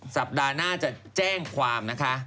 สัปดาห์หน้าจะแจ้งความนะคะ